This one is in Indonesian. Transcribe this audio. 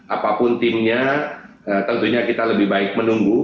apapun timnya tentunya kita lebih baik menunggu